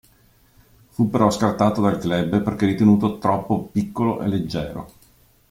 Fu però scartato dal club perché ritenuto troppo "piccolo e leggero".